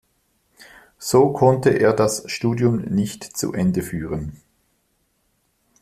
So konnte er das Studium nicht zu Ende führen.